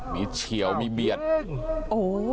มีเฉียวมีเบียดโอ้โห